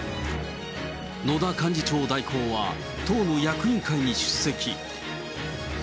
野田幹事長代行は党の役員会に出席。